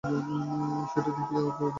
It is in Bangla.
সেইটা দেখিয়া অপু অবাক হইয়া গেল।